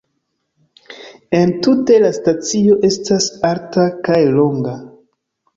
Entute, la stacio estas alta kaj longa.